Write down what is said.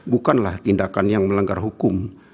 bukanlah tindakan yang melanggar hukum